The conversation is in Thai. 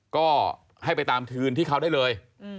ก็ให้ไปตามคืนที่เขาได้เลย